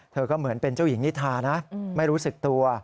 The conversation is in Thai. เธอก็เหมือนเป็นเจ้าหญิงนิทานะไม่รู้สึกตัว